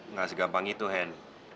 nggak segampang itu hen